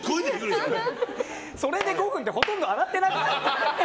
それで５分ってほとんど洗ってなくない？